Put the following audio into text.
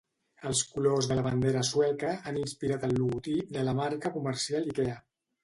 Els colors de la bandera sueca han inspirat el logotip de la marca comercial Ikea.